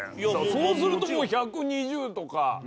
そうすると、もう１２０とか。